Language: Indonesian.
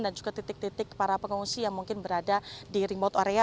dan juga titik titik para pengungsi yang mungkin berada di remote area